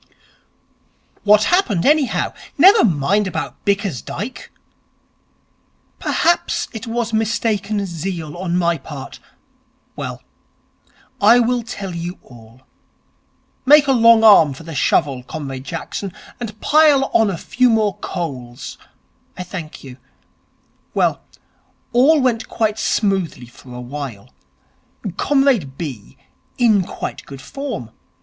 'What happened, anyhow? Never mind about Bickersdyke.' 'Perhaps it was mistaken zeal on my part.... Well, I will tell you all. Make a long arm for the shovel, Comrade Jackson, and pile on a few more coals. I thank you. Well, all went quite smoothly for a while. Comrade B. in quite good form.